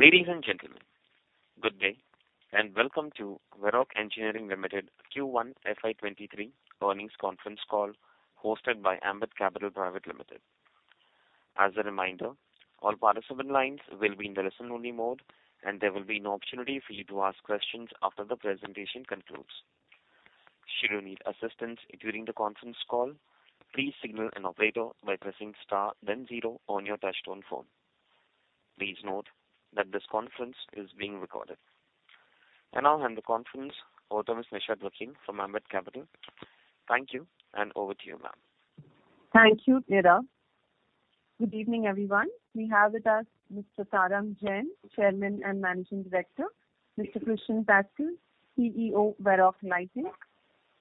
Ladies and gentlemen, good day and welcome to Varroc Engineering Limited Q1 FY 2023 Earnings Conference Call, hosted by Ambit Capital Private Limited. As a reminder, all participant lines will be in the listen-only mode, and there will be an opportunity for you to ask questions after the presentation concludes. Should you need assistance during the conference call, please signal an operator by pressing star then zero on your touchtone phone. Please note that this conference is being recorded. I now hand the conference over to Ms. Nishit Vakil from Ambit Capital. Thank you, and over to you, ma'am. Thank you, Neeraj. Good evening, everyone. We have with us, Mr. Tarang Jain, Chairman and Managing Director, Mr. Christian Päschel, CEO, Varroc Lighting,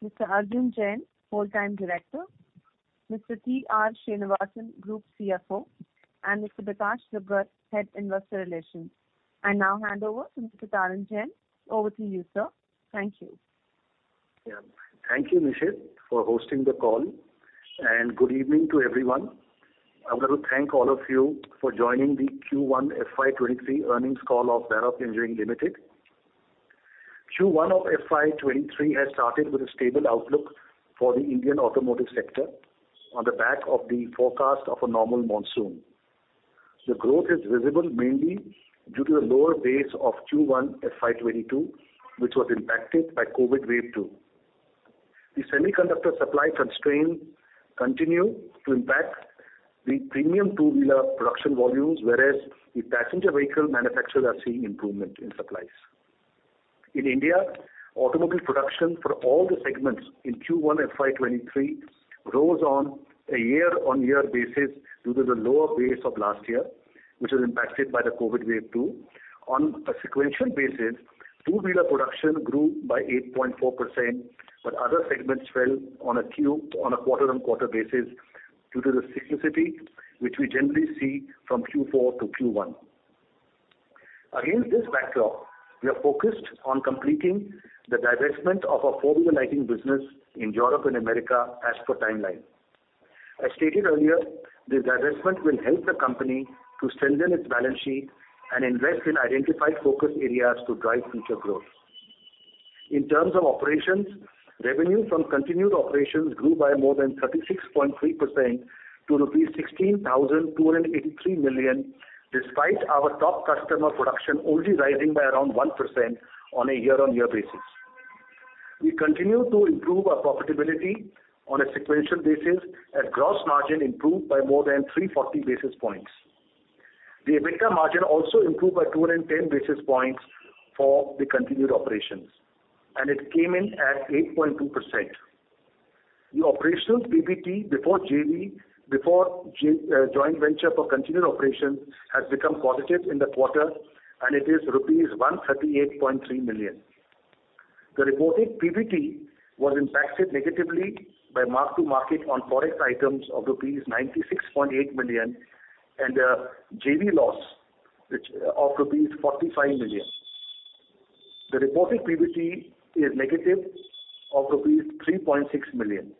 Mr. Arjun Jain, Whole Time Director, Mr. T.R. Srinivasan, Group CFO, and Mr. Bikash Dugar, Head, Investor Relations. I now hand over to Mr. Tarang Jain. Over to you, sir. Thank you. Yeah. Thank you, Nishit for hosting the call, and good evening to everyone. I want to thank all of you for joining the Q1 FY 2023 earnings call of Varroc Engineering Limited. Q1 of FY 2023 has started with a stable outlook for the Indian automotive sector, on the back of the forecast of a normal monsoon. The growth is visible mainly due to the lower base of Q1 FY 2022, which was impacted by COVID wave two. The semiconductor supply constraint continue to impact the premium two-wheeler production volumes, whereas the passenger vehicle manufacturers are seeing improvement in supplies. In India, automobile production for all the segments in Q1 FY 2023 rose on a year-on-year basis due to the lower base of last year, which was impacted by the COVID wave two. On a sequential basis, two-wheeler production grew by 8.4%, but other segments fell on a quarter-on-quarter basis due to the seasonality which we generally see from Q4 to Q1. Against this backdrop, we are focused on completing the divestment of our four-wheeler lighting business in Europe and America as per timeline. As stated earlier, the divestment will help the company to strengthen its balance sheet, and invest in identified focus areas to drive future growth. In terms of operations, revenue from continued operations grew by more than 36.3% to rupees 16,283 million, despite our top customer production only rising by around 1% on a year-on-year basis. We continue to improve our profitability on a sequential basis, as gross margin improved by more than 340 basis points. The EBITDA margin also improved by 210 basis points for the continued operations, and it came in at 8.2%. The operational PBT before JV, before joint venture for continued operations has become positive in the quarter and it is rupees 138.3 million. The reported PBT was impacted negatively by mark-to-market on forex items of rupees 96.8 million, and a JV loss of rupees 45 million. The reported PBT is rupees -3.6 million.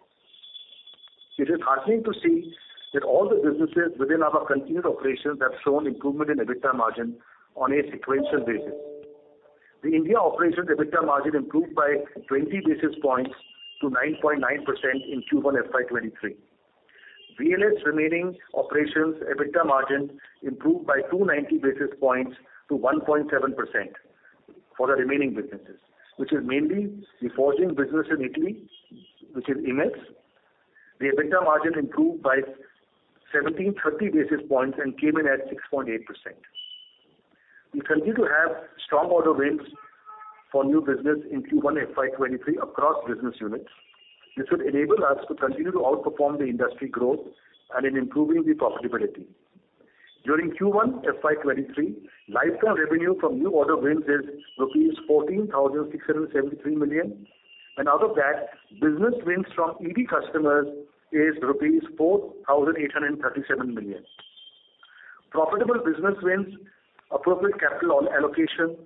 It is heartening to see that all the businesses within our continued operations have shown improvement in EBITDA margin on a sequential basis. The India operations EBITDA margin improved by 20 basis points to 9.9% in Q1 FY 2023. VLS remaining operations EBITDA margin improved by 290 basis points to 1.7% for the remaining businesses, which is mainly the forging business in Italy, which is IMES. The EBITDA margin improved by 1,730 basis points and came in at 6.8%. We continue to have strong order wins for new business in Q1 FY 2023 across business units. This would enable us to continue to outperform the industry growth, and in improving the profitability. During Q1 FY 2023, lifetime revenue from new order wins is rupees 14,673 million, and out of that, business wins from EV customers is rupees 4,837 million. Profitable business wins, appropriate capital allocation,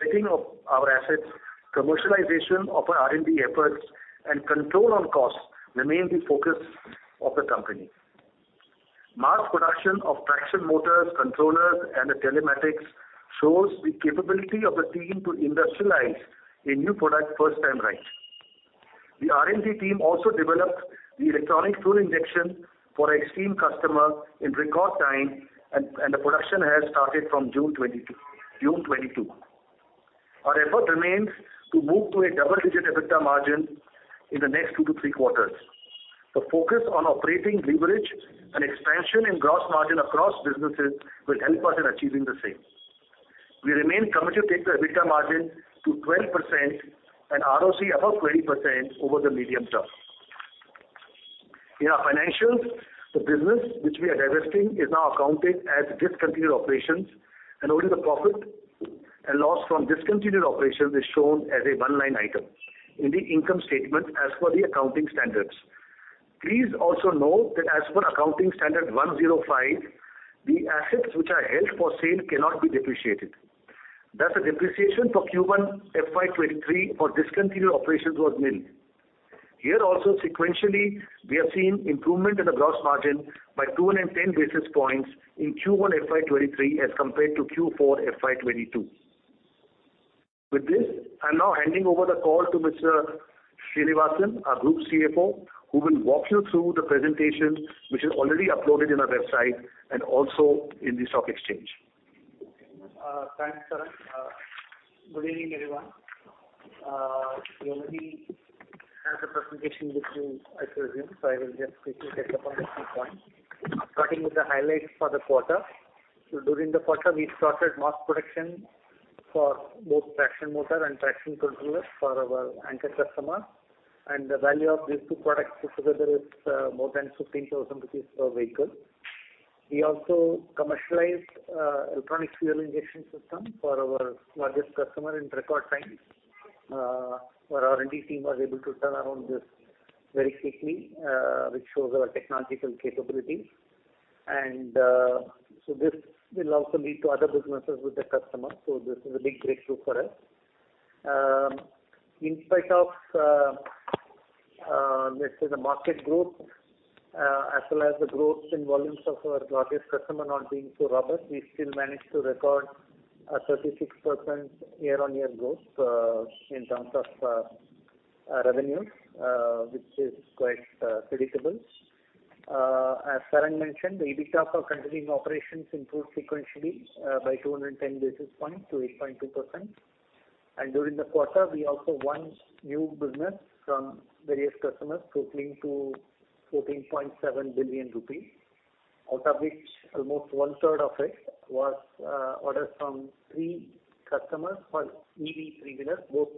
setting of our assets, commercialization of our R&D efforts, and control on costs remain the focus of the company. Mass production of traction motors, controllers, and the telematics shows the capability of the team to industrialize a new product first time right. The R&D team also developed the electronic fuel injection for our Xtreme customer in record time, and the production has started from June 2022. Our effort remains to move to a double-digit EBITDA margin in the next two to three quarters. The focus on operating leverage, and expansion in gross margin across businesses will help us in achieving the same. We remain committed to take the EBITDA margin to 12%, and ROC above 20% over the medium term. In our financials, the business which we are divesting is now accounted as discontinued operations, and only the profit and loss from discontinued operations is shown as a one-line item in the income statement as per the accounting standards. Please also note that as per Accounting Standard 105, the assets which are held for sale cannot be depreciated. Thus, the depreciation for Q1 FY 2023 for discontinued operations was nil. Here also sequentially, we have seen improvement in the gross margin by 210 basis points in Q1 FY 2023 as compared to Q4 FY 2022. With this, I'm now handing over the call to Mr. Srinivasan, our Group CFO, who will walk you through the presentation which is already uploaded in our website and also in the stock exchange. Thanks, Tarang. Good evening, everyone. You already have the presentation with you, I presume, so I will just quickly touch upon a few points. Starting with the highlights for the quarter. During the quarter, we started mass production for both traction motor and traction controller for our anchor customer, and the value of these two products put together is more than 15,000 rupees per vehicle. We also commercialized electronic fuel injection system for our largest customer in record time. Our R&D team was able to turn around this very quickly, which shows our technological capabilities. This will also lead to other businesses with the customer, so this is a big breakthrough for us. In spite of, let's say the market growth, as well as the growth in volumes of our largest customer not being so robust, we still managed to record a 36% year-on-year growth in terms of revenues, which is quite predictable. As Tarang mentioned, the EBITDA for continuing operations improved sequentially by 210 basis points to 8.2%. During the quarter, we also won new business from various customers, totaling 14.7 billion rupees, out of which almost one third of it was orders from three customers for EV three-wheeler, both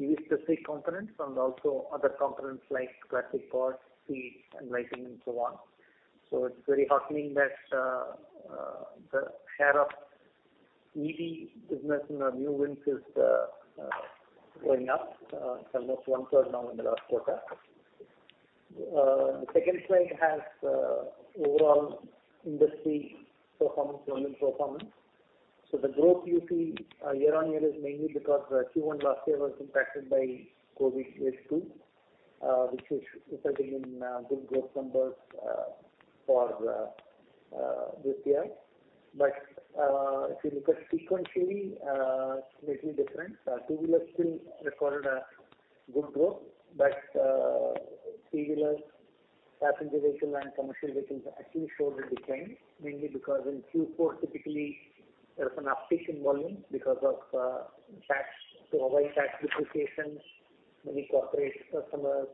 EV-specific components and also other components like plastic parts, seats, and lighting and so on. It's very heartening that, the share of EV business in our new wins is going up. It's almost 1/3 now in the last quarter. The second slide has overall industry performance, volume performance. The growth you see year-on-year is mainly because Q1 last year was impacted by COVID wave 2, which is reflecting in good growth numbers for this year. If you look at sequentially, slightly different, two-wheeler still recorded a good growth, but three-wheeler, passenger vehicle, and commercial vehicles actually showed a decline, mainly because in Q4, typically there is an uptick in volume because of tax, to avoid tax implications, many corporate customers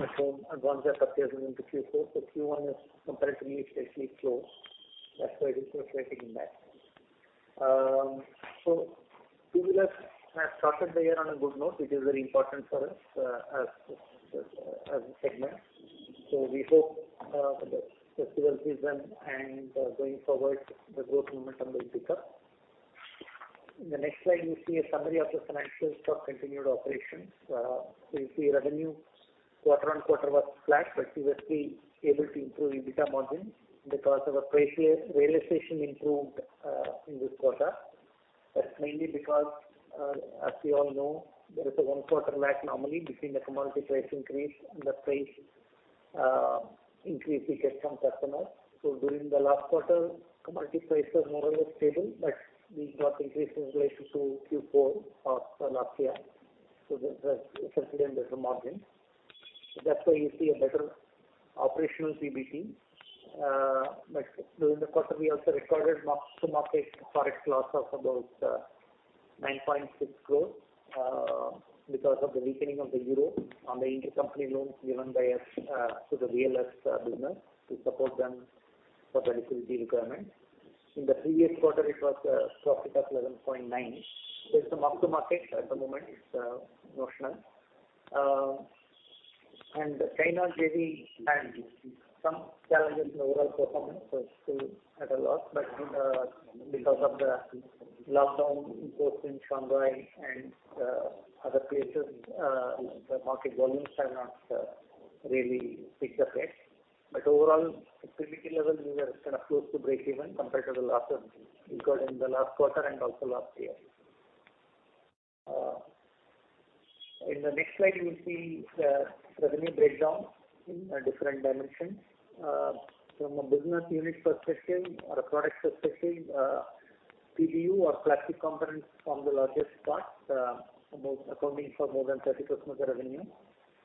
you know advance their purchases into Q4. Q1 is comparatively slightly slow. That's why this was lagging back. Two-wheeler has started the year on a good note, which is very important for us as a segment. We hope the festival season and going forward, the growth momentum will pick up. In the next slide, you see a summary of the financials for continued operations. You see revenue quarter on quarter was flat, but we were still able to improve EBITDA margins because our price realization improved in this quarter. That's mainly because, as you all know, there is a one -quarter lag normally between the commodity price increase, and the price increase we get from customers. During the last quarter, commodity prices more or less stable, but we got an increase in relation to Q4 of the last year. That's reflected in the margins. That's why you see a better operational PBT. During the quarter, we also recorded mark-to-market forex loss of about 9.6 crores, because of the weakening of the euro on the intercompany loans given by us to the VLS business to support them for their liquidity requirements. In the previous quarter, it was a profit of 11.9 crores. There's some mark-to-market at the moment, so it's notional. China JV had some challenges in overall performance, so it's still at a loss. Because of the lockdown imposed in Shanghai and other places, the market volumes have not really picked up yet. Overall, at profitability level, we were kind of close to breakeven compared to the losses incurred in the last quarter and also last year. In the next slide, you will see the revenue breakdown in a different dimension. From a business unit perspective or a product perspective, PBU or plastic components form the largest part, about accounting for more than 30% of the revenue.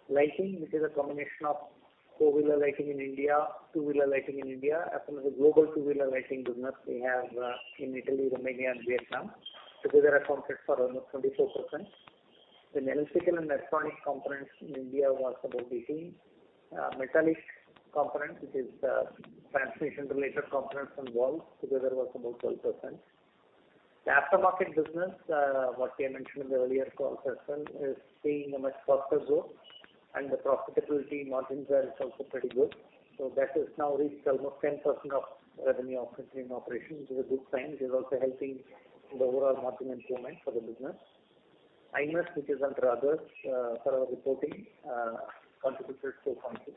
Lighting, which is a combination of four-wheeler lighting in India, two-wheeler lighting in India, as well as a global two-wheeler lighting business we have, in Italy, Romania, and Vietnam, together accounted for almost 24%. Electrical and electronic components in India was about 18%. Metallic components, which is the transmission-related components and valves together was about 12%. The aftermarket business, what I mentioned in the earlier call, Tarang, is seeing a much faster growth and the profitability margins there is also pretty good. That has now reached almost 10% of revenue of continuing operations, which is a good sign. This is also helping in the overall margin improvement for the business. Others, which is under others, for our reporting, contributed 2.6%.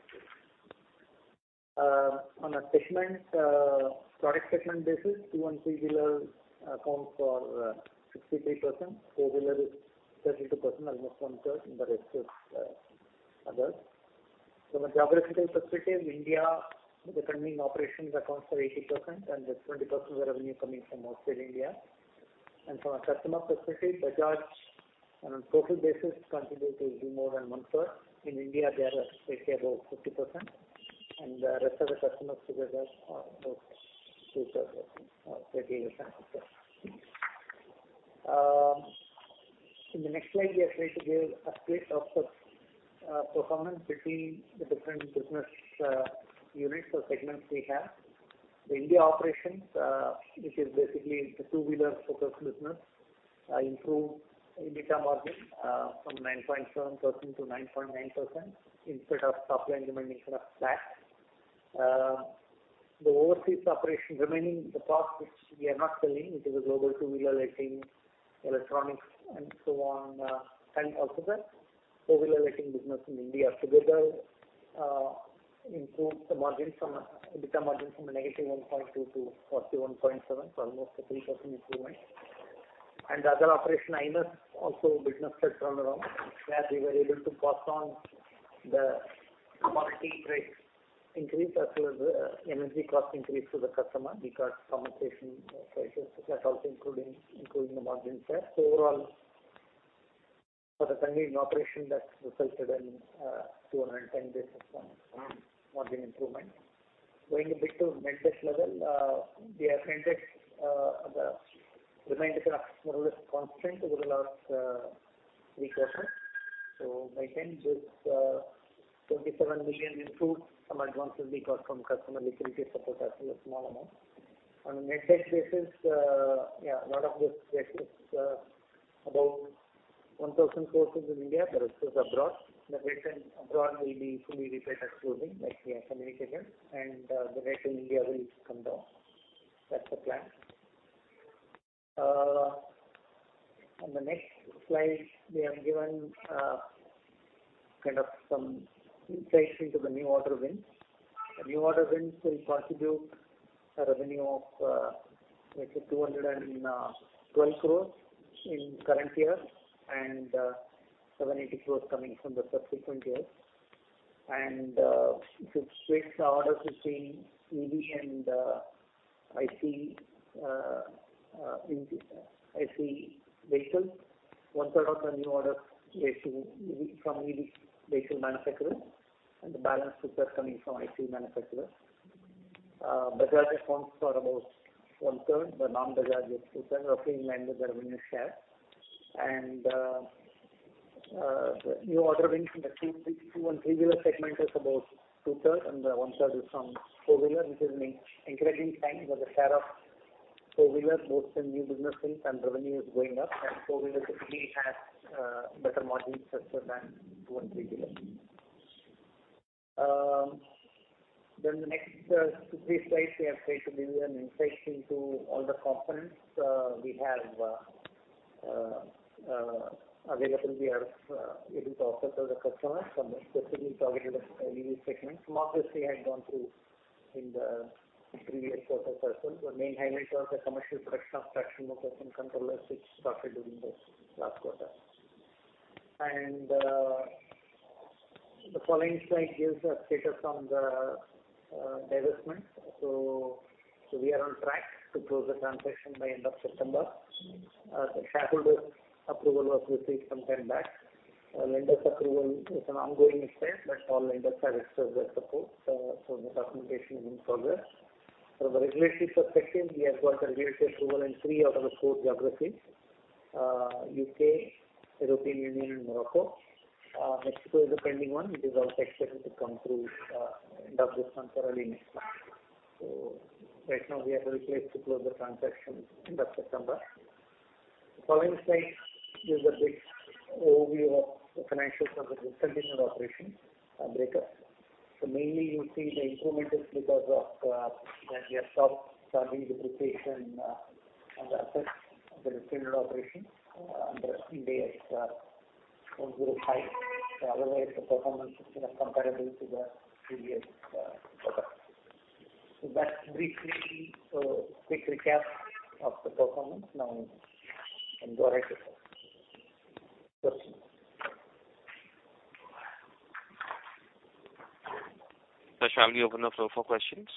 On a segment product segment basis, two- and three-wheeler accounts for 63%. Four-wheeler is 32%, almost 1/3, and the rest is others. From a geographical perspective, India, the continuing operations accounts for 80% and just 20% of the revenue coming from outside India. From a customer perspective, Bajaj, on a total basis, contributes to more than 1/3. In India, they are I think above 50% and the rest of the customers together are about 2/3 or 30%. In the next slide, we have tried to give a split of the performance between the different business units, or segments we have. The India operations, which is basically the two-wheeler focused business, improved EBITDA margin from 9.7%-9.9% in spite of supply demand mix that's flat. The overseas operation remaining the part which we are not selling, which is the global two-wheeler lighting, electronics and so on, and also the four-wheeler lighting business in India together, improved the EBITDA margin from -1.2% to 1.7%, so almost a 3% improvement. The other operation, IMES, business has turned around where we were able to pass on the commodity price increase as well as energy cost increase to the customer, because commodity prices, that's also including the margin there. Overall, for the continuing operation that resulted in 210 basis points margin improvement. Going a bit to net debt level, we have maintained debt, the remaining debt more or less constant over the last three quarters. By end, this 27 million improved from advances we got from customer liquidity support, actually a small amount. On a net debt basis, yeah, lot of this debt is, about INR 1,000 crores is in India, the rest is abroad. The debt abroad will be fully repaid excluding like we have communicated, and the debt in India will come down. That's the plan. On the next slide we have given, kind of some insights into the new order wins. The new order wins will contribute a revenue of, let's say 212 crores in current year and 780 crores coming from the subsequent years. If you split the orders between EV and ICE vehicles, 1/3 of the new orders is from EV vehicle manufacturers and the balance 2/3 coming from ICE manufacturers. Bajaj accounts for about 1/3. The non-Bajaj is 2/3 roughly in line with the revenue share. The new order wins in the two and three-wheeler segment is about 2/3 and 1/3 is from four-wheeler, which is an encouraging sign because the share of four-wheeler both in new business wins and revenue is going up, and four-wheeler typically has better margins as well than two and three-wheeler. The next two, three slides we have tried to give you an insight into all the components we have available. We are able to offer to the customers from the specifically targeted EV segment. Some of this we had gone through in the previous quarter as well. The main highlight was the commercial production of traction and motion controllers, which started during this last quarter. The following slide gives the status on the divestment, so we are on track to close the transaction by end of September. The shareholder approval was received some time back. Lender's approval is an ongoing step, but all lenders have expressed their support, so the documentation is in progress. From the regulatory perspective, we have got the regulatory approval in three out of the four geographies, U.K., European Union and Morocco. Mexico is the pending one. It is also expected to come through end of this month or early next month. Right now we are well placed to close the transaction end of September. The following slide gives a brief overview of the financials of the discontinued operation breakup. Mainly, you see the improvement, is because of that we have stopped charging depreciation on the assets of the discontinued operation under Ind AS 105. Otherwise, the performance is kind of comparable to the previous quarter. That's briefly a quick recap of the Q. Now we can go ahead with the questions. [audio didtortion], open the floor for questions.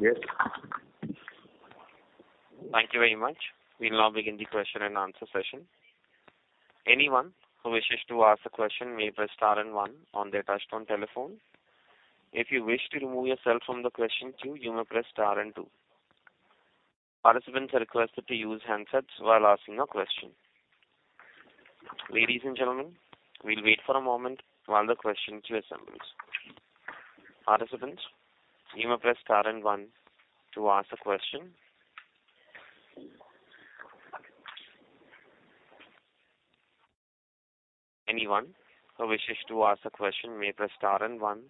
Yes. Thank you very much. We'll now begin the question-and-answer session. Anyone who wishes to ask a question may press star and one on their touchtone telephone. If you wish to remove yourself from the question queue, you may press star and two. Participants are requested to use handsets while asking a question. Ladies and gentlemen, we'll wait for a moment while the question queue assembles. Participants, you may press star and one to ask a question. Anyone who wishes to ask a question may press star and one.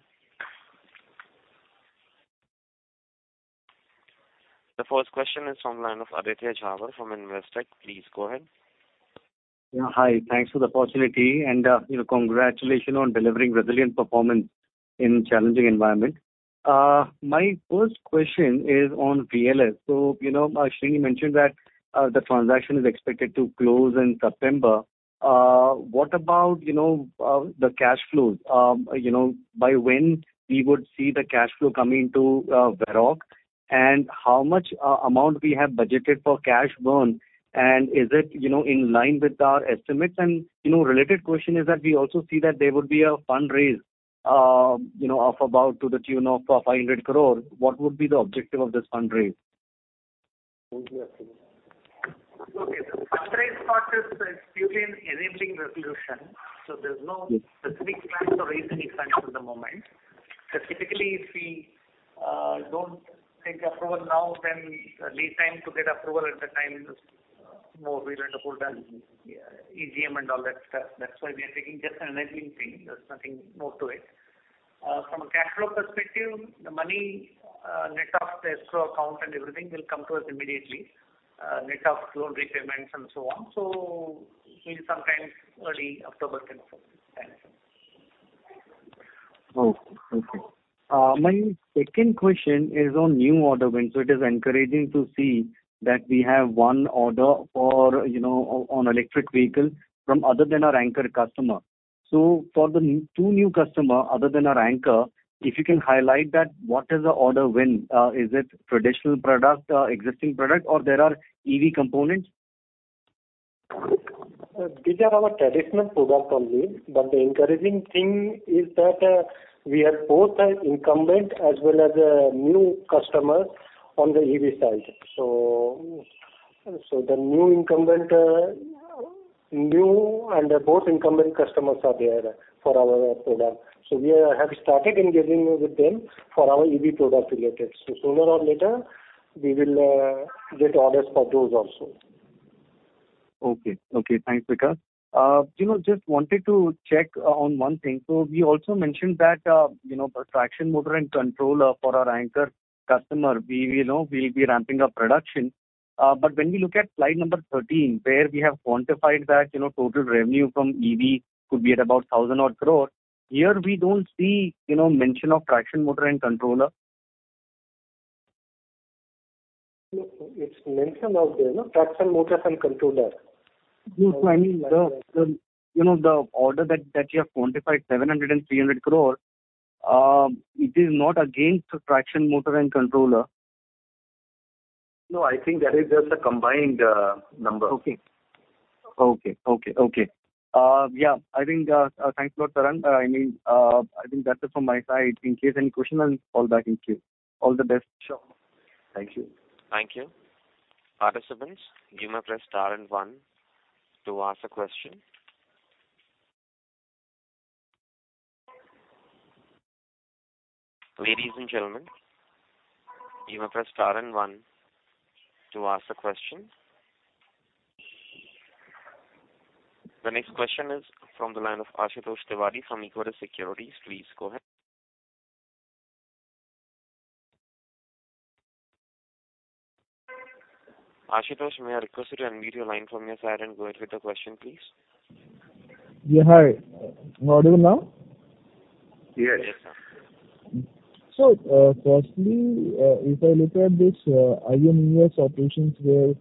The first question is from line of Aditya Jhawar from Investec. Please go ahead. Yeah, hi. Thanks for the opportunity and you know, congratulations on delivering resilient performance in challenging environment. My first question is on VLS. You know, actually you mentioned that the transaction is expected to close in September. What about, you know, the cash flows? You know, by when we would see the cash flow coming to Varroc? How much amount we have budgeted for cash burn? You know, in line with our estimates? You know, related question is that we also see that there will be a fundraise, you know, of about to the tune of 500 crore. What would be the objective of this fundraise? Okay. The fundraise part is purely enabling resolution, so there's no. Yes. No specific plans to raise any funds at the moment. Typically, if we don't take approval now, then lead time to get approval at the time is more relevant to hold an AGM and all that stuff. That's why we are taking just an enabling thing. There's nothing more to it. From a cash flow perspective, the money net of the escrow account and everything will come to us immediately net of loan repayments and so on. Maybe sometime early October 2027. Thank you. My second question is on new order wins. It is encouraging to see that we have one order for an electric vehicle from other than our anchor customer. For the next two new customer other than our anchor, if you can highlight that, what is the order win? Is it traditional product, existing product, or there are EV components? These are our traditional product only, but the encouraging thing is that we have both incumbent as well as new customers on the EV side. The new and incumbent customers are there for our product. We have started engaging with them for our EV product related. Sooner or later, we will get orders for those also. Okay. Thanks, Tarang Jain, you know, just wanted to check on one thing. We also mentioned that you know, for traction motor and controller for our anchor customer, we you know, we'll be ramping up production. When we look at slide number 13, where we have quantified that you know, total revenue from EV could be at about 1,000-odd crore. Here we don't see you know, mention of traction motor and controller. No, it's mentioned out there, no? Traction motors and controller. No. I mean, you know, the order that you have quantified 700 crore and 300 crore, it is not against traction motor and controller. No, I think that is just a combined number. Okay. Yeah, I think, thanks a lot, Tarang. I mean, I think that's it from my side. In case of any question, I'll call back. Thank you. All the best to y'all. Sure. Thank you. Thank you. Participants, you may press star and one to ask a question. Ladies and gentlemen, you may press star and one to ask a question. The next question is from the line of Ashutosh Tiwari from Equirus Securities. Please go ahead. Ashutosh, may I request you to unmute your line from your side and go ahead with the question, please. Yeah. Hi. Audible now? Yes, sir. Firstly, if I look at this IMES operations where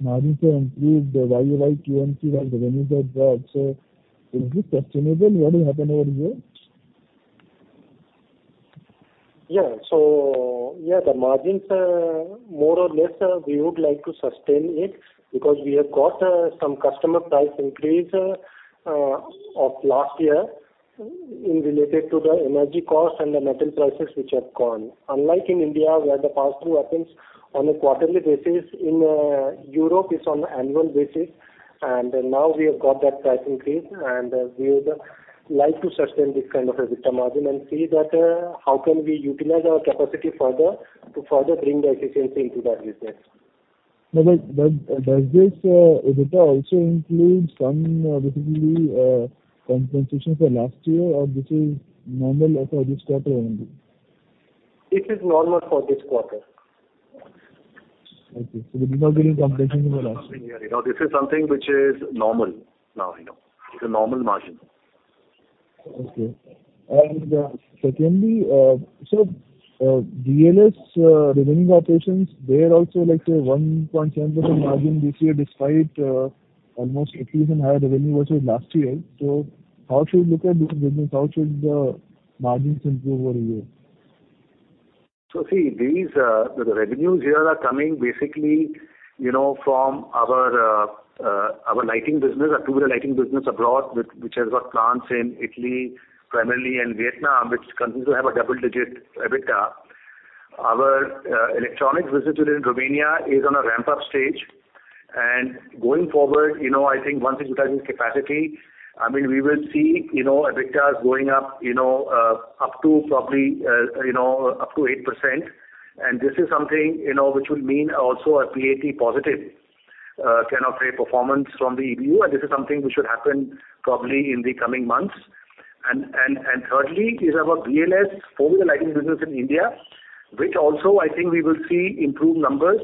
margins have improved YoY QMT while the revenues are dropped, is it sustainable? What will happen over here? Yeah, the margins, more or less, we would like to sustain it because we have got some customer price increase of last year in relation to the energy costs and the metal prices which have gone. Unlike in India, where the pass-through happens on a quarterly basis, in Europe it's on annual basis. Now we have got that price increase, and we would like to sustain this kind of a EBITDA margin and see that how can we utilize our capacity further to further bring the efficiency into that business. Does this EBITDA also include some basic compensation for last year, or is this normal or for this quarter only? This is normal for this quarter. Okay. We're not getting compensation for the last. Nothing really. No, this is something which is normal now, you know. It's a normal margin. Okay. Secondly, VLS running operations, they're also like say, 1%-something percent margin this year, despite almost at least 10% higher revenue versus last year. How should we look at this business? How should the margins improve over a year? See, these revenues here are coming basically, you know, from our lighting business, our two-wheeler lighting business abroad, which has got plants in Italy primarily and Vietnam, which continues to have a double-digit EBITDA. Our electronics business within Romania is on a ramp-up stage. Going forward, you know, I think once it utilizes capacity, I mean, we will see, you know, EBITDA going up, you know, up to probably, you know, up to 8%. This is something, you know, which will mean also a PAT positive kind of a performance from the EU, and this is something which should happen probably in the coming months. Thirdly, our VLS former lighting business in India, which also I think we will see improved numbers.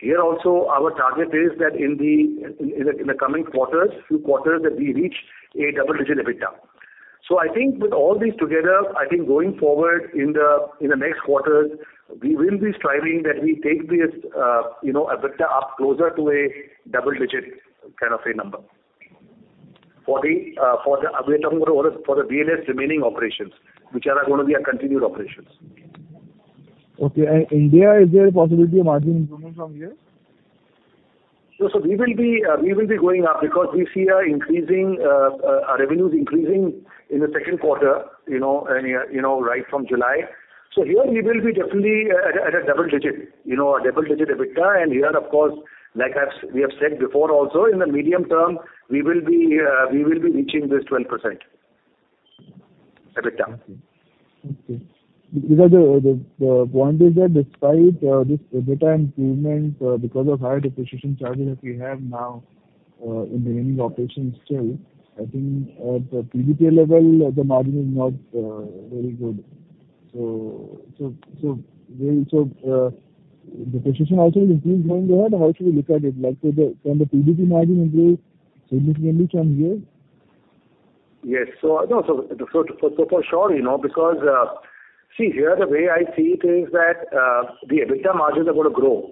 Here also our target is that in the coming few quarters that we reach a double-digit EBITDA. I think with all these together, I think going forward in the next quarters, we will be striving that we take this EBITDA up closer to a double-digit kind of a number. For this, we are talking about the VLS remaining operations, which are going be our continued operations. Okay. India, is there a possibility of margin improvement from here? We will be going up because we see an increasing our revenues increasing in the second quarter, you know and you know right from July. Here we will be definitely at a double-digit EBITDA. Here, of course, we have said before also in the medium term we will be reaching this 12% EBITDA. Okay, because the point is that despite this EBITDA improvement, because of higher depreciation charges we have now in the remaining operations still, I think at the PBT level, the margin is not very good. Is depreciaion also increased going ahead or how should we look at it? Like, say, can the PBT margin improve significantly from here? Yes. No, for sure, you know, because see here the way I see it is that the EBITDA margins are going to grow,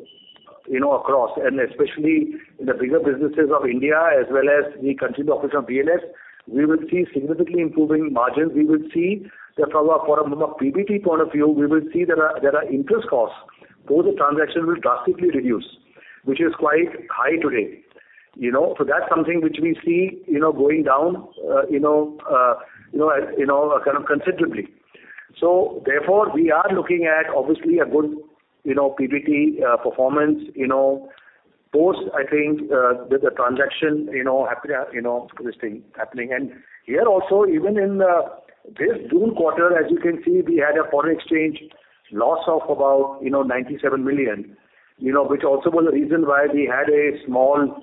you know, across and especially in the bigger businesses of India as well as the continued operations of VLS. We will see significantly improving margins. We will see that from a PBT point of view, we will see there are interest costs. Post the transaction will drastically reduce, which is quite high today, you know. That's something which we see, you know, going down, you know, kind of considerably. Therefore, we are looking at obviously a good, you know, PBT performance, you know, post, I think with the transaction, you know, happen, you know, this thing happening. Here, also even in this June quarter, as you can see, we had a foreign exchange loss of about, you know, 97 million, you know, which also was the reason why we had a small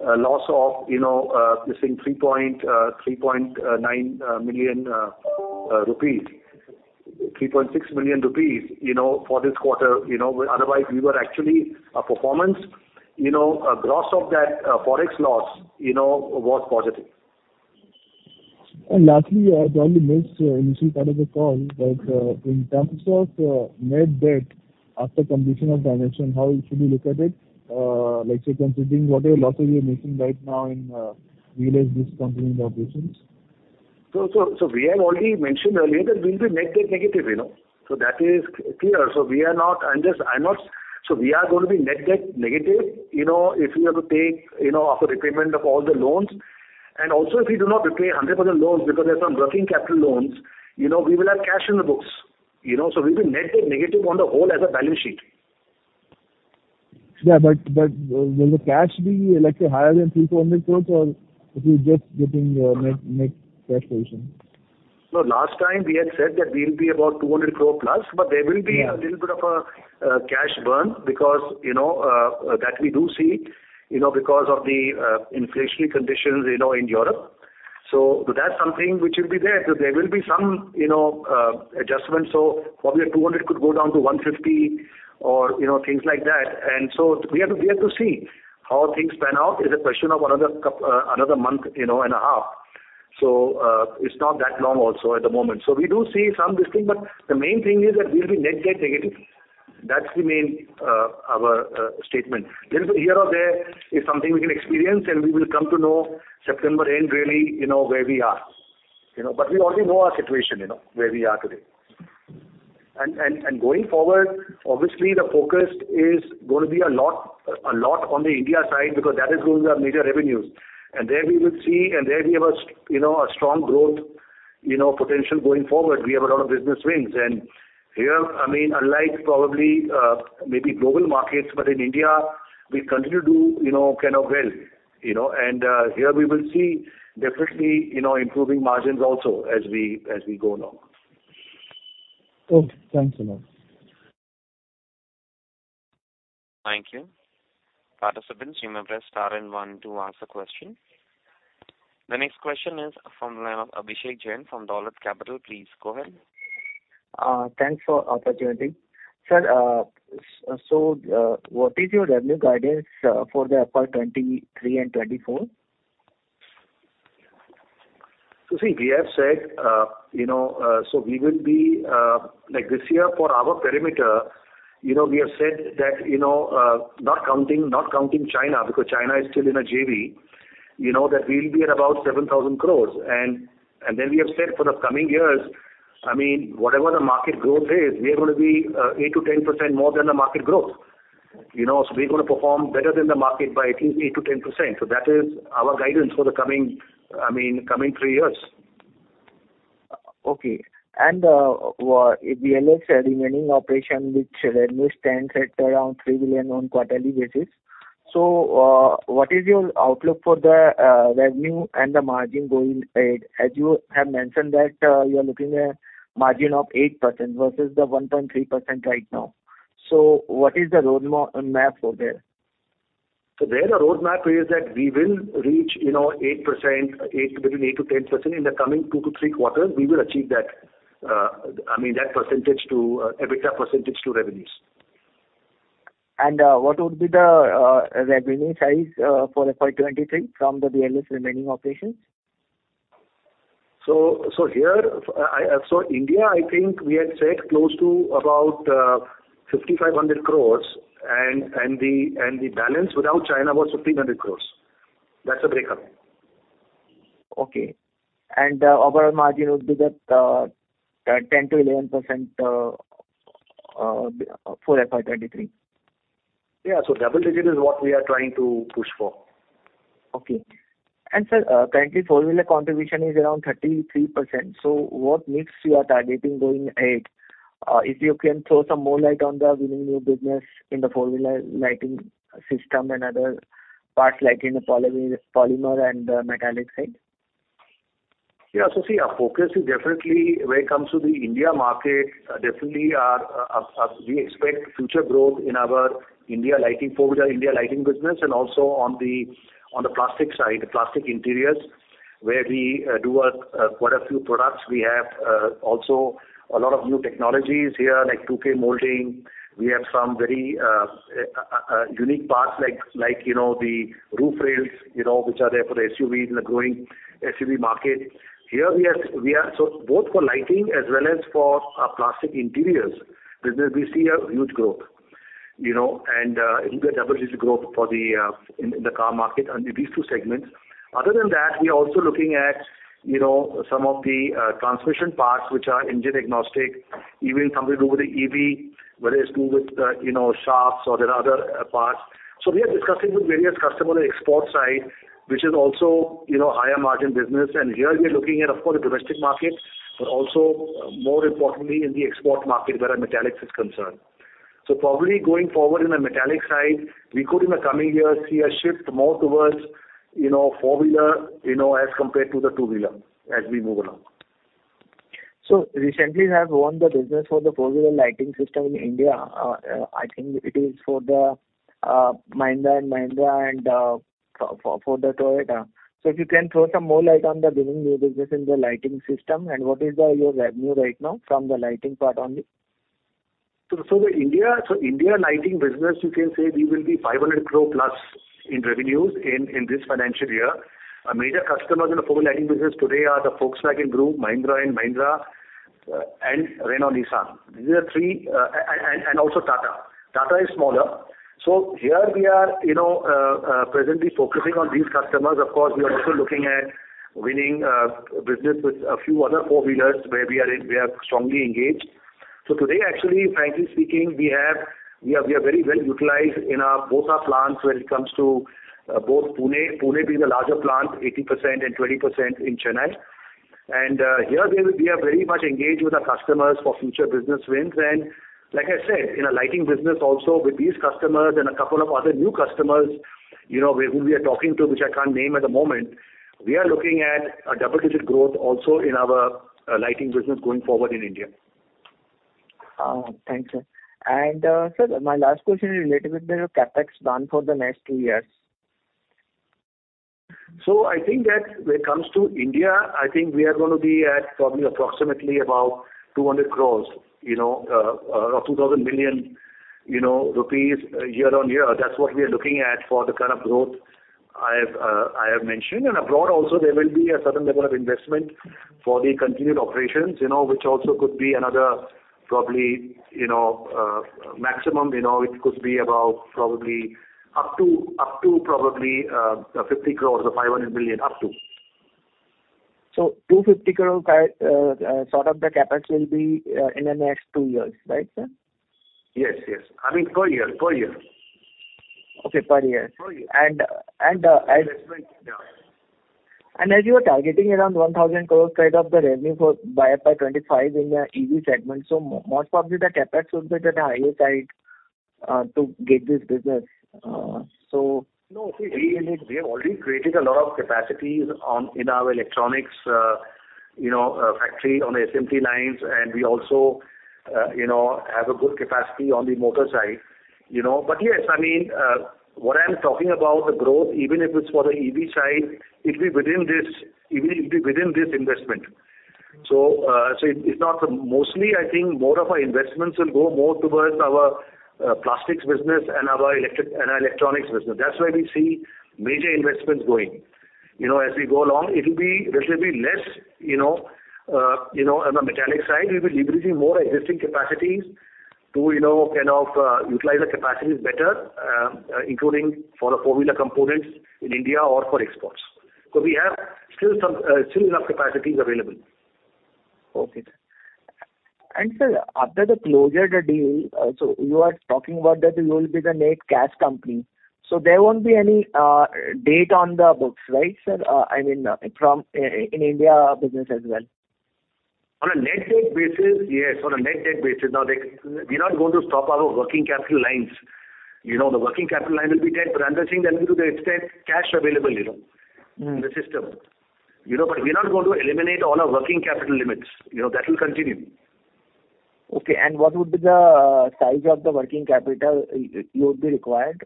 loss of, you know, say 3.9 million rupees. 3.6 million rupees, you know, for this quarter. You know, otherwise we were actually a performance, you know, gross of that forex loss, you know, was positive. Lastly, I probably missed initial part of the call, but in terms of net debt after completion of the transaction, how should we look at it? Like say considering whatever losses you are making right now in VLS discontinued operations. We have already mentioned earlier that we'll be net debt negative, you know. That is clear. We are going to be net debt negative, you know, if we have to take, you know, after repayment of all the loans, and also if we do not repay 100% loans because there are some working capital loans, you know, we will have cash in the books, you know. We'll be net debt negative on the whole as a balance sheet. Yeah. Will the cash be like higher than 300-400 crore or it is just getting net cash position? No, last time we had said that we'll be about 200 crore plus, but there will be. Yeah. A little bit of a cash burn because, you know, that we do see, you know, because of the inflationary conditions, you know, in Europe. That's something which will be there. There will be some, you know, adjustments. Probably 200 could go down to 150 or you know, things like that. We have to see how things pan out. It's a question of another month and a half. It's not that long also at the moment. We do see some risk, but the main thing is that we'll be net debt negative. That's the main, our statement. Little bit here or there is something we can experience, and we will come to know September end really, you know, where we are, you know. We already know our situation, you know, where we are today. Going forward, obviously the focus is going to be a lot on the India side because that is going to be our major revenues. There we will see, there we have, you know, a strong growth, you know, potential going forward. We have a lot of business wins. Here, I mean, unlike probably, maybe global markets, but in India we continue to do, you know, kind of well, you know. Here we will see definitely, you know, improving margins also as we go along. Cool. Thanks a lot. Thank you. Participants, you may press star and one to ask a question. The next question is from Abhishek Jain from Dolat Capital. Please go ahead. Thanks for opportunity. Sir, so, what is your revenue guidance for the FY 2023 and 2024? See, we have said, you know, we will be like this year for our parameter, you know, we have said that, you know, not counting China, because China is still in a JV, you know, that we'll be at about 7,000 crore. Then we have said for the coming years, I mean, whatever the market growth is, we are going to be 8%-10% more than the market growth, you know. We're going to perform better than the market by at least 8%-10%. That is our guidance for the coming, I mean, three years. VLS remaining operation, which revenue stands at around 3 billion on quarterly basis. What is your outlook for the revenue and the margin going ahead? As you have mentioned that you are looking at margin of 8% versus the 1.3% right now. What is the roadmap for there? There the roadmap is that we will reach, you know, 8%, between 8%-10%. In the coming two to three quarters, we will achieve that, I mean, that percentage to EBITDA percentage to revenues. What would be the revenue size for FY 2023 from the VLS remaining operations? India, I think we had said close to about 5,500 crore and the balance without China was 1,500 crore. That's the breakup. Okay. Overall margin would be that, 10%-11% for FY 2023. Yeah. Double digit is what we are trying to push for. Okay. Sir, currently four-wheeler contribution is around 33%. What mix you are targeting going ahead? If you can throw some more light on the winning new business in the four-wheeler lighting system, and other parts like in the polymer and metallic side. Yeah. See, our focus is definitely when it comes to the Indian market. Definitely we expect future growth in our Indian lighting, four-wheeler Indian lighting business and also on the plastic side, plastic interiors, where we do quite a few products. We have also a lot of new technologies here, like 2K molding. We have some very unique parts like, you know, the roof rails, you know, which are there for the SUV in the growing SUV market. Here we are. Both for lighting as well as for our plastic interiors business, we see a huge growth, you know, and double-digit growth for the in the car market under these two segments. Other than that, we are also looking at, you know, some of the transmission parts which are engine agnostic, even something to do with the EV, whether it's to do with, you know, shafts or there are other parts. We are discussing with various customer on export side, which is also, you know, higher margin business. Here we are looking at, of course, the domestic market, but also more importantly in the export market where our metallics is concerned. Probably going forward in the metallic side, we could in the coming year see a shift more towards, you know, four-wheeler, you know, as compared to the two-wheeler as we move along. Recently you have won the business for the four-wheeler lighting system in India. I think it is for the Mahindra & Mahindra and for the Toyota. If you can throw some more light on the winning new business in the lighting system, and what is your revenue right now from the lighting part only? The Indian lighting business you can say we will be 500 crore plus in revenues in this financial year. Our major customers in the four-wheeler lighting business today are the Volkswagen Group, Mahindra & Mahindra, and Renault-Nissan. These are three, also Tata. Tata is smaller. Here we are presently focusing on these customers. Of course, we are also looking at winning business with a few other four-wheelers where we are strongly engaged. Today, actually, frankly speaking, we are very well utilized in our both our plants when it comes to both Pune. Pune being the larger plant, 80% and 20% in Chennai. Here we are very much engaged with our customers for future business wins. Like I said, in our lighting business also with these customers and a couple of other new customers, you know, with whom we are talking to, which I can't name at the moment, we are looking at a double-digit growth also in our lighting business going forward in India. Thank you. Sir, my last question is related with the CapEx plan for the next two years. I think that when it comes to India, I think we are going to be at probably approximately about 200 crores, you know, or 2,000 million rupees year on year. That's what we are looking at for the kind of growth I have mentioned. Abroad also there will be a certain level of investment for the continued operations, you know, which also could be another probably, you know, maximum, you know, it could be about probably up to 50 crores or 500 million, up to. 250 crore sort of the CapEx will be in the next two years, right sir? Yes. I mean, per year. Okay, per year. Per year. The investment, yeah. As you are targeting around 1,000 crore side of the revenue for FY 2025 in the EV segment, most probably the CapEx will be at the higher side to get this business. No, see, we have already created a lot of capacities in our electronics factory on the assembly lines. We also have a good capacity on the motor side, you know. Yes, I mean, what I'm talking about the growth, even if it's for the EV side, it'll be within this investment. It's not the mostly. I think more of our investments will go more towards our plastics business and our electronics business. That's where we see major investments going. You know, as we go along, there will be less on the metallic side. We'll be leveraging more existing capacities to utilize the capacities better, including for the four-wheeler components in India or for exports. We have still enough capacities available. Okay. Sir, after the closure of the deal, so you are talking about that you will be the net cash company, so there won't be any debt on the books, right, sir? I mean, from Indian business as well. On a net debt basis, yes. Now, we're not going to stop our working capital lines. You know, the working capital line will be there, but understanding that to the extent cash available, you know. You know, we're not going to eliminate all our working capital limits, you know. That will continue. Okay. What would be the size of the working capital you would be required?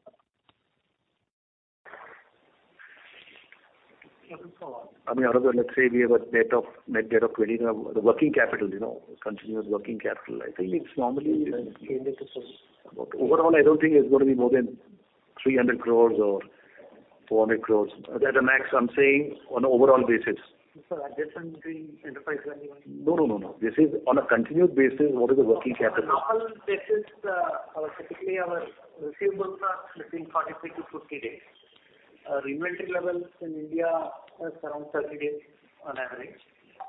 I mean, out of the, let's say, we have a net debt equating to the working capital, you know, current working capital, I think it's normally. Okay. Overall, I don't think it's going to be more than 300 crores or 400 crores. At a max, I'm saying on a overall basis. Sir, that's on the enterprise value only? No. This is on a continuous basis, what is the working capital? Normal basis, specifically our receivables are between 45-50 days. Our inventory levels in India is around 30 days on average,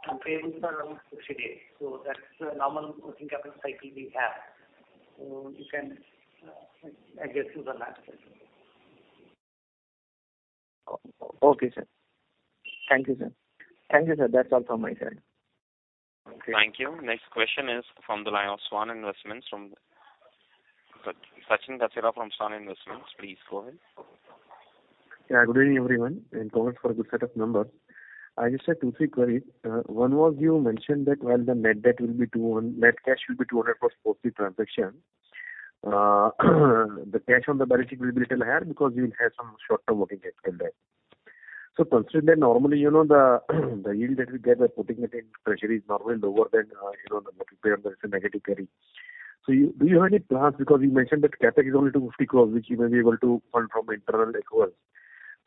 and payables are around 60 days. That's the normal working capital cycle we have. You can adjust to the last. Okay, sir. Thank you, sir. That's all from my side. Okay. Thank you. Next question is from the line of Svan Investment from Sachin Kasera from Svan Investment. Please go ahead. Good evening, everyone, and congrats for a good set of numbers. I just have two, three queries. One was you mentioned that while the net cash will be 200 crore post-merger transaction, the cash on the balance sheet will be still higher because you will have some short-term working capital there. Considering that normally, you know, the yield that we get by putting it in treasury is normally lower than, you know, the market pay and there's a negative carry. Do you have any plans, because you mentioned that CapEx is only 250 crores, which you may be able to fund from internal accruals.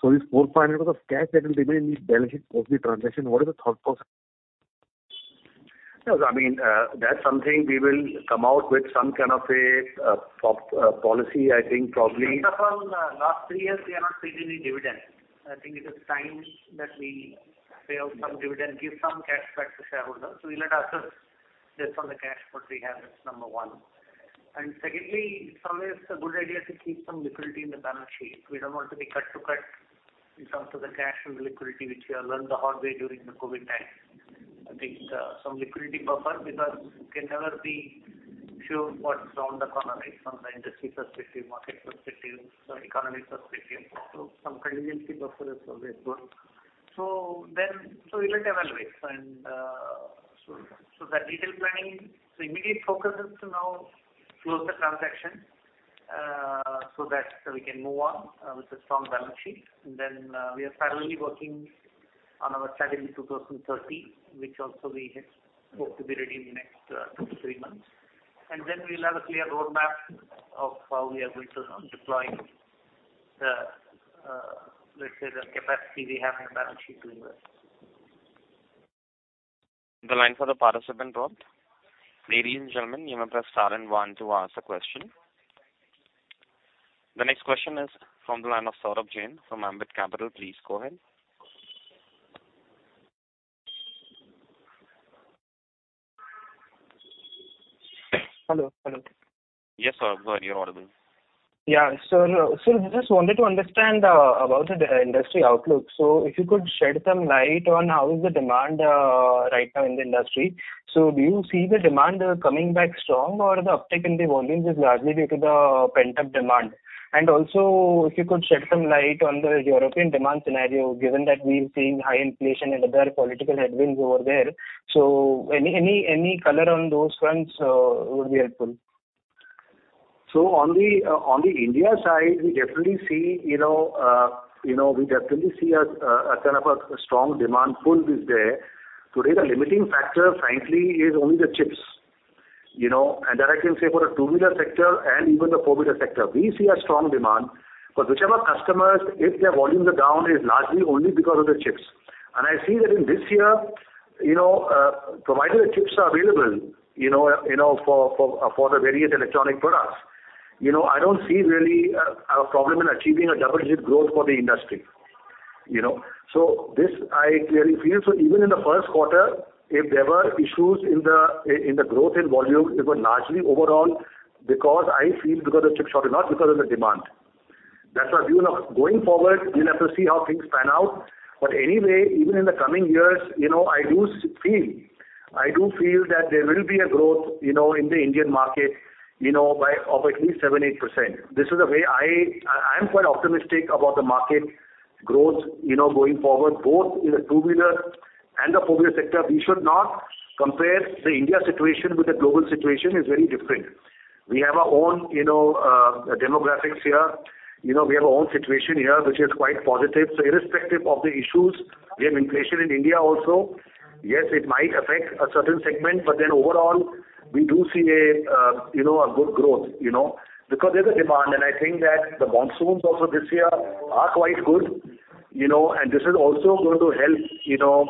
This 400 crores of cash that will remain in the balance sheet post the transaction, what are the thought process? Yes. I mean, that's something we will come out with some kind of a policy, I think probably. First of all, last three years we have not paid any dividend. I think it is time that we pay out some dividend, give some cash back to shareholders. We'll assess, based on the cash what we have, that's number one. Secondly, it's always a good idea to keep some liquidity in the balance sheet. We don't want to be cut too close in terms of the cash and the liquidity, which we have learned the hard way during the COVID times. I think some liquidity buffer because you can never be sure what's around the corner, right? From the industry perspective, market perspective, sorry, economy perspective. Some contingency buffer is always good. We'll have to evaluate and so that detailed planning. Immediate focus is to now close the transaction, so that we can move on with a strong balance sheet. We are currently working on our strategy 2030, which also we hope to be ready in the next two to three months. We'll have a clear roadmap of how we are going to deploy the, let's say, the capacity we have in the balance sheet to invest. The line for the participant dropped. Ladies and gentlemen, you may press star and one to ask a question. The next question is from the line of Saurabh Jain from Ambit Capital. Please go ahead. Hello. Yes, Saurabh. You're audible. I just wanted to understand about the industry outlook. If you could shed some light on how is the demand right now in the industry. Do you see the demand coming back strong or the uptick in the volumes is largely due to the pent-up demand? If you could shed some light on the European demand scenario, given that we're seeing high inflation, and other political headwinds over there. Any color on those fronts would be helpful. On the India side, we definitely see, you know, a kind of a strong demand pull this year. Today, the limiting factor, frankly, is only the chips, you know. That I can say for the two-wheeler sector and even the four-wheeler sector. We see a strong demand. For whichever customers, if their volumes are down, is largely only because of the chips. I see that in this year, you know, provided the chips are available, you know, for the various electronic products, you know, I don't see really a problem in achieving a double-digit growth for the industry, you know. This I clearly feel. Even in the first quarter, if there were issues in the growth in volume, it was largely overall, because I feel because of chip shortage, not because of the demand. That's why going forward, we'll have to see how things pan out. Anyway, even in the coming years, you know, I do feel that there will be a growth, you know, in the Indian market, you know, of at least 7%-8%. This is the way I'm quite optimistic about the market growth, you know, going forward, both in the two-wheeler and the four-wheeler sector. We should not compare the Indian situation with the global situation. It's very different. We have our own, you know, demographics here. You know, we have our own situation here, which is quite positive. Irrespective of the issues, we have inflation in India also. Yes, it might affect a certain segment, but then overall, we do see a, you know, a good growth, you know. Because there's a demand, and I think that the monsoons also this year are quite good, you know, and this is also going to help, you know,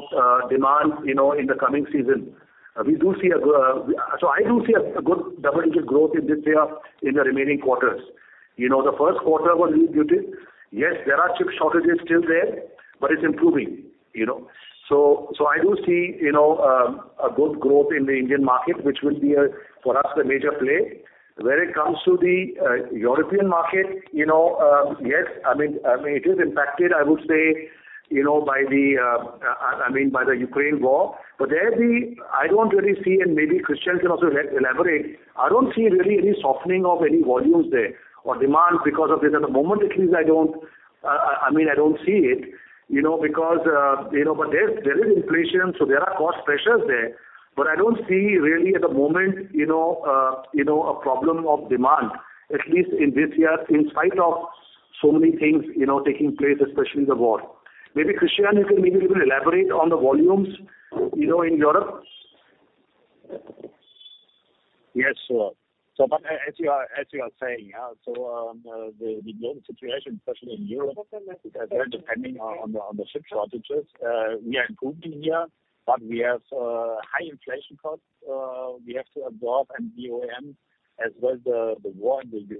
demand, you know, in the coming season. I do see a good double-digit growth in this year in the remaining quarters. You know, the first quarter was a little muted. Yes, there are chip shortages still there, but it's improving, you know. I do see, you know, a good growth in the Indian market, which will be a major play for us. When it comes to the European market, you know, yes, I mean, it is impacted, I would say, you know, I mean, by the Ukraine war. I don't really see, and maybe Christian can also elaborate, I don't see really any softening of any volumes there or demand, because of this. At the moment, at least I don't see it, you know, because, you know. There is inflation, so there are cost pressures there. I don't see really at the moment, you know, a problem of demand, at least in this year, in spite of so many things, you know, taking place, especially the war. Maybe Christian can maybe even elaborate on the volumes, you know, in Europe. Yes, sure. As you are saying, yeah, the global situation, especially in Europe, the dependencies on the chip shortages. We are improving here, but we have high inflation costs, we have to absorb and BOM as well, the war with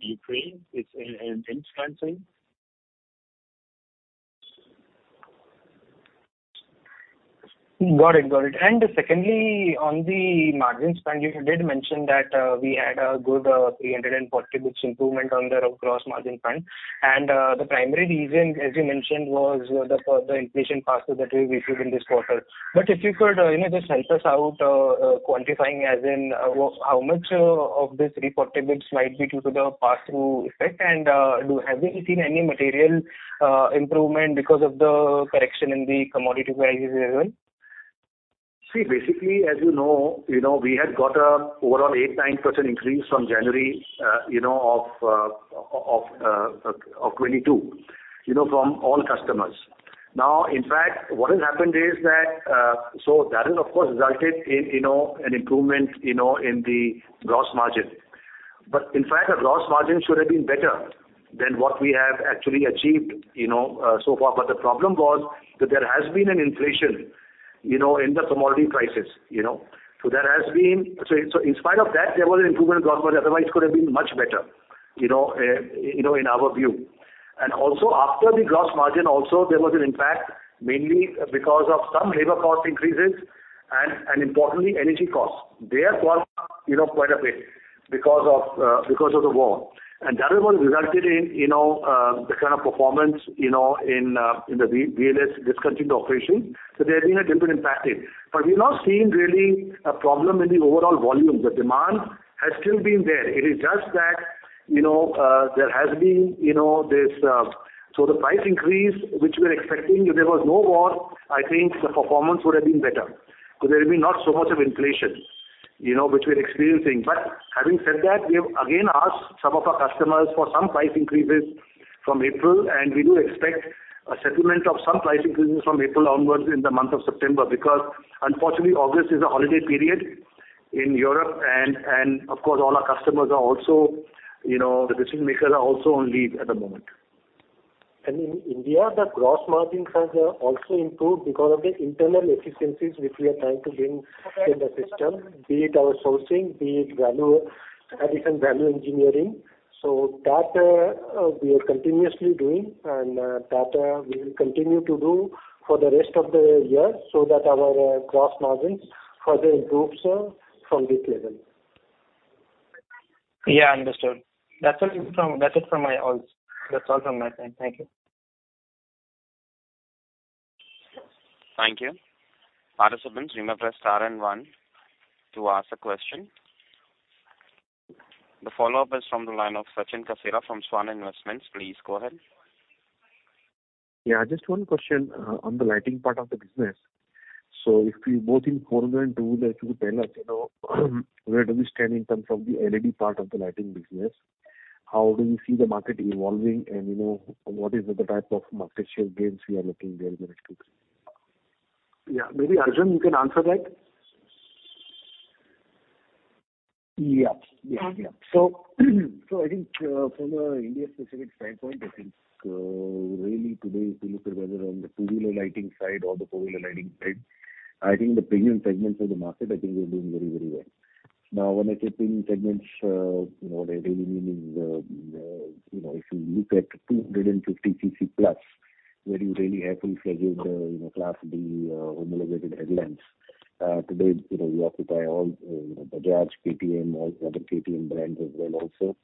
Ukraine is influencing. Got it. Secondly, on the margin spend, you did mention that we had a good 340 basis points improvement on the gross margin front. The primary reason, as you mentioned, was the inflation pass-through that we received in this quarter. If you could, you know, just help us out quantifying as in how much of this reportable basis points might be due to the pass-through effect. Have we seen any material improvement because of the correction in the commodity prices as well? See, basically, as you know, we had got an overall 8-9% increase from January 2022 from all customers. Now, in fact, what has happened is that that has, of course, resulted in an improvement in the gross margin. In fact, our gross margin should have been better than what we have actually achieved so far. The problem was that there has been an inflation in the commodity prices. In spite of that, there was an improvement in gross margin, otherwise it could have been much better, you know, in our view. After the gross margin, there was also an impact, mainly because of some labor cost increases and importantly, energy costs. They have gone up, you know, quite a bit because of the war. That is what resulted in, you know, the kind of performance, you know, in the VLS discontinued operation. There has been a different impact there. We've not seen really a problem in the overall volume. The demand has still been there. It is just that, you know, there has been, you know, this. The price increase, which we're expecting, if there was no war, I think the performance would have been better because there would be not so much of inflation, you know, which we're experiencing. Having said that, we have again asked some of our customers for some price increases from April, and we do expect a settlement of some price increases from April onwards in the month of September, because unfortunately, August is a holiday period in Europe and of course, all our customers are also, you know, the decision-makers are also on leave at the moment. In India, the gross margin has also improved because of the internal efficiencies which we are trying to bring in the system, be it our sourcing, be it value addition, value engineering. We are continuously doing and that we will continue to do for the rest of the year, so that our gross margins further improves from this level. Yeah, understood. That's all from my side. Thank you. Thank you. Participants, you may press star and one to ask a question. The follow-up is from the line of Sachin Kasera from Svan Investment. Please go ahead. Just one question on the lighting part of the business. If you both in quarter and two, if you could tell us, you know, where do we stand in terms of the LED part of the lighting business? How do you see the market evolving and you know, what is the type of market share gains we are looking there in the next two quarters? Yeah. Maybe Arjun, you can answer that. I think, from an India-specific standpoint, I think, really today, if you look at whether on the two-wheeler lighting side or the four-wheeler lighting side, I think the premium segments of the market, I think we're doing very, very well. Now, when I say premium segments, you know, what I really mean is, you know, if you look at 250 cc plus where you really have a full-fledged, you know, class B, homologated headlamps. Today, you know, we occupy all, you know, Bajaj, KTM, all other KTM brands as well also,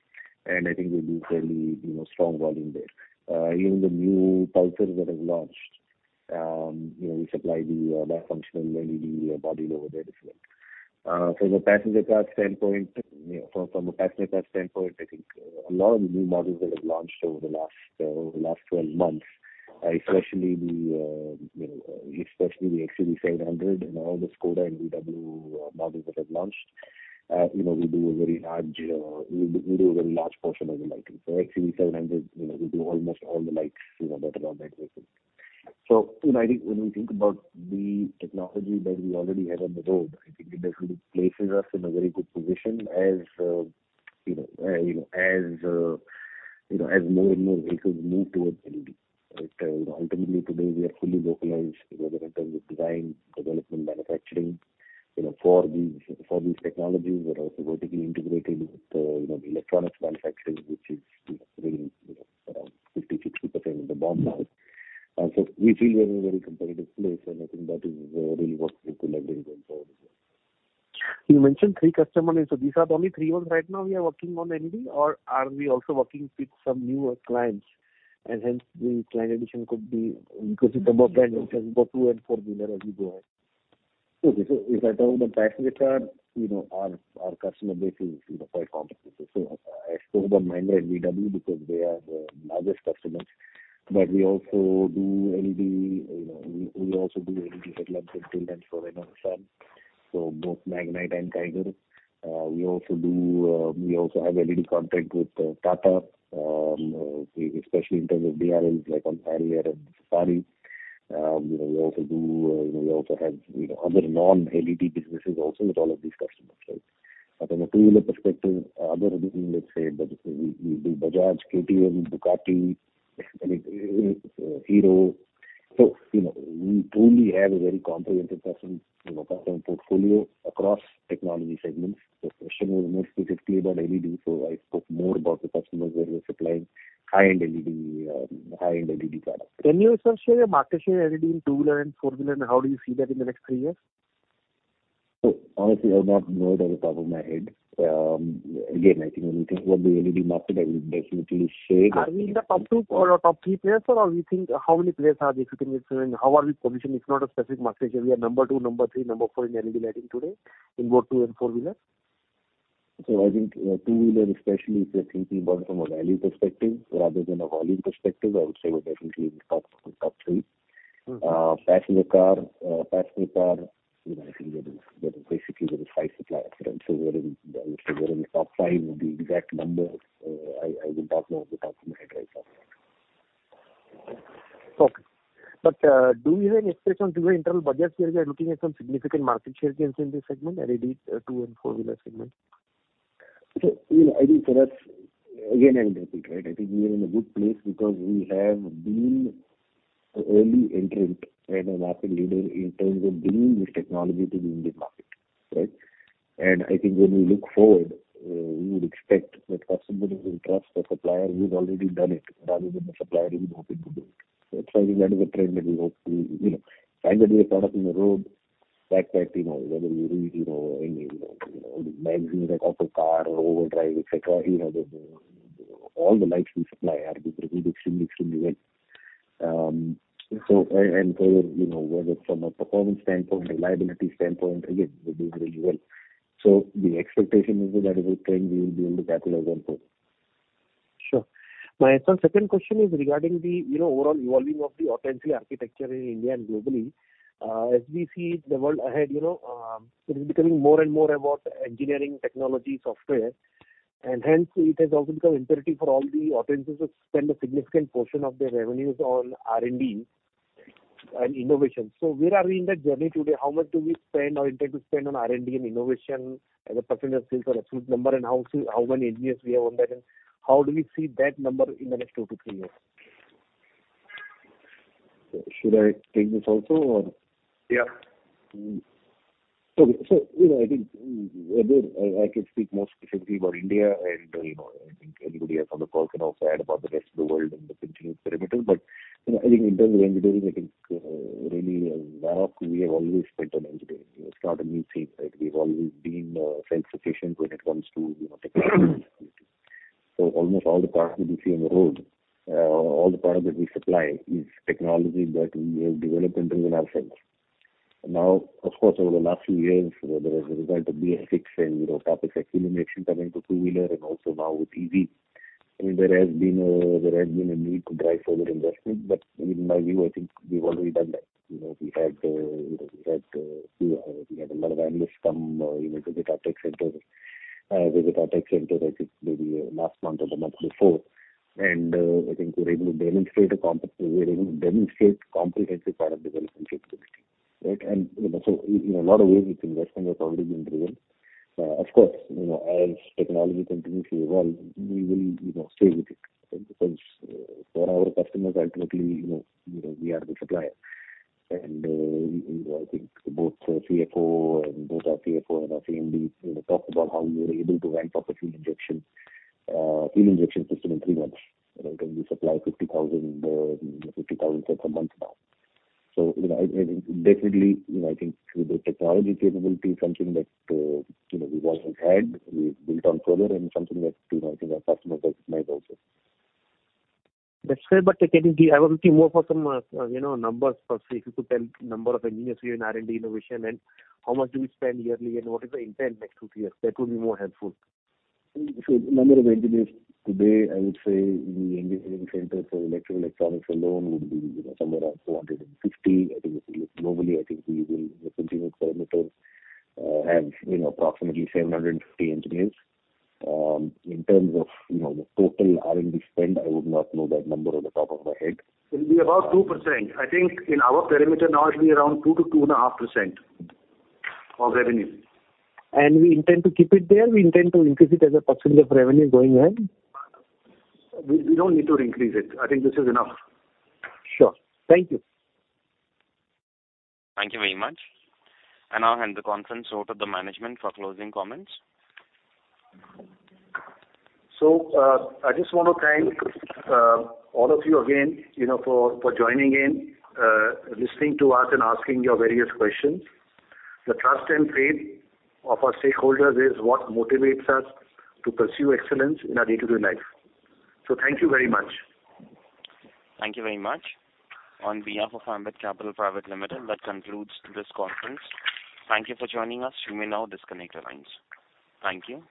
and I think we'll do fairly, you know, strong volume there. Even the new Pulsar that has launched, you know, we supply the rear functional LED taillamp there as well. From a passenger car standpoint, you know, I think a lot of the new models that have launched over the last 12 months, especially the XUV700 and all the Škoda and VW models that have launched, you know, we do a very large portion of the lighting. XUV700, you know, we do almost all the lights, you know, that are on that vehicle. You know, I think when we think about the technology that we already have on the road, I think it definitely places us in a very good position as, you know, as more and more vehicles move towards LED. You know, ultimately today we are fully localized, whether in terms of design, development, manufacturing, you know, for these technologies. We're also vertically integrated with you know, the electronics manufacturing, which is you know, bringing you know, around 50%-60% of the BOM now. We feel we're in a very competitive place, and I think that is really what we could leverage going forward as well. You mentioned three customers. These are only three ones right now we are working on LED, or are we also working with some newer clients and hence the client addition could be? Okay. Because it's about brand, it's about two and four-wheeler as we go ahead. Okay. If I talk about passenger car, you know, our customer base is, you know, quite competitive. I spoke about Mahindra and VW because they are the largest customers. We also do LED, you know, we also do LED headlamps and tail lamps for Renault and Nissan, so both Magnite and Kiger. We also have LED contract with Tata, especially in terms of DRLs, like on Harrier and Safari. You know, we also have other non-LED businesses also with all of these customers, right? From a two-wheeler perspective, other than, let's say, Bajaj, we do Bajaj, KTM, Ducati, Hero. You know, we truly have a very comprehensive customer portfolio across technology segments. The question was more specifically about LED, so I spoke more about the customers where we're supplying high-end LED, high-end LED products. Can you, sir, share your market share in LED in two-wheeler and four-wheeler, and how do you see that in the next three years? Honestly, I would not know it off the top of my head. Again, I think when we think about the LED market, I will definitely share. Are we in the top two or top three players, or we think how many players are there, if you can just say? How are we positioned, if not a specific market share? We are number two, number three, number four in LED lighting today in both two and four-wheeler? I think two-wheeler especially, if you're thinking about from a value perspective rather than a volume perspective, I would say we're definitely in the top two, top three. Passenger car, you know, I think there is basically five suppliers, and so we're in, I would say we're in the top five. The exact number, I don't know off the top of my head right now. Okay. Do you have any expectation through your internal budgets where you're looking at some significant market share gains in this segment, LED, two and four-wheeler segment? You know, I think for us, again, I repeat, right, I think we are in a good place because we have been an early entrant and a market leader in terms of bringing this technology to the Indian market, right? I think when we look forward, we would expect that customers will trust a supplier who's already done it rather than a supplier who is hoping to do it. I think that is a trend that we hope to capitalize on. You know, time that we have product on the road, fact that, you know, whether you read, you know, any, you know, you know, magazines like Autocar or Overdrive, etc, you know, the, all the lights we supply are reviewed extremely well. You know, whether from a performance standpoint, reliability standpoint again, we're doing very well. The expectation is that is a trend we will be able to capitalize on. Sure. My second question is regarding the you know overall evolution of the automotive architecture in India and globally. As we see the world ahead, you know, it is becoming more and more about engineering technology software, and hence it has also become imperative for all the automakers to spend a significant portion of their revenues on R&D and innovation. Where are we in that journey today? How much do we spend or intend to spend on R&D and innovation as a percentage of sales or absolute number? How many engineers we have on that? How do we see that number in the next two to three years? Should I take this also or? Yeah. Okay. You know, I think, again, I can speak more specifically about India and, you know, I think anybody else on the call can also add about the rest of the world in the Continental perimeter. You know, I think in terms of engineering, I think, really, Mahak, we have always spent on engineering. It's not a new thing, right? We've always been self-sufficient when it comes to, you know, technology. Almost all the products that you see on the road, all the products that we supply is technology that we have developed internally ourselves. Now, of course, over the last few years, you know, there was a result of BS6 and you know, topics like illumination coming to two-wheeler and also now with EV. I mean, there has been a need to drive further investment. In my view, I think we've already done that. You know, we had a lot of analysts come, you know, to the Varroc Technical Center, visit our tech center, I think maybe last month or the month before. I think we were able to demonstrate comprehensive product development capability, right? You know, so in a lot of ways, we think investment has already been driven. Of course, you know, as technology continues to evolve, we will, you know, stay with it, right? Because for our customers, ultimately, you know, we are the supplier. You know, I think both our CFO and our CMD you know talked about how we were able to ramp up a fuel injection system in three months, you know, and we supply 50,000+ a month now. You know, I think definitely, you know, I think the technology capability is something that you know we've always had, we've built on further and something that you know I think our customers recognize also. That's fair, but can you give? I was looking more for some, you know, numbers. Perhaps if you could tell number of engineers we have in R&D innovation and how much do we spend yearly and what is the intent next two years? That would be more helpful. Number of engineers today, I would say in the engineering center for electrical electronics alone would be somewhere around 450. I think if you look globally, the Continental perimeter have approximately 750 engineers. In terms of the total R&D spend, I would not know that number off the top of my head. It will be above 2%. I think in our parameter now it will be around 2%-2.5% of revenue. We intend to keep it there? We intend to increase it as a percentage of revenue going ahead? We don't need to increase it. I think this is enough. Sure. Thank you. Thank you very much. I'll hand the conference over to the management for closing comments. I just want to thank all of you again, you know, for joining in, listening to us and asking your various questions. The trust and faith of our stakeholders is what motivates us to pursue excellence in our day-to-day life. Thank you very much. Thank you very much. On behalf of Ambit Capital Private Limited, that concludes this conference. Thank you for joining us. You may now disconnect your lines. Thank you.